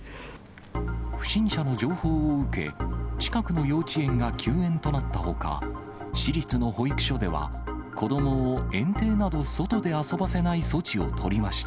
不審者の情報を受け、近くの幼稚園が休園となったほか、市立の保育所では子どもを園庭など、外で遊ばせない措置を取りました。